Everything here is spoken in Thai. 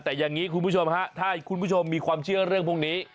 แต่อย่างนี้คุณผู้ชมฮะถ้าคุณผู้ชมมีความเชื่อเรื่องพวกนี้